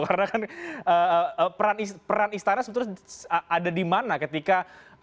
karena kan peran istana sebetulnya ada di mana ketika